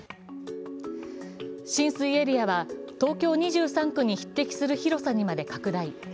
浸水エリアは東京２３区に匹敵する広さまで拡大。